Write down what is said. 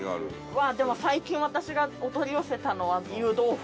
はでも最近私がお取り寄せたのは湯豆腐。